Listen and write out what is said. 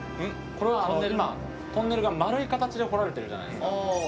これは今トンネルが丸い形で掘られてるじゃないですか。